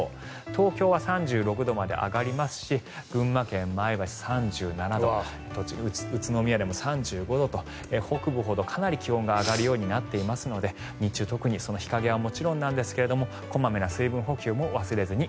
東京は３６度まで上がりますし群馬県前橋、３７度宇都宮でも３５度と北部ほどかなり気温が上がるようになっていますので日中、特に日陰はもちろんですが小まめな水分補給も忘れずに。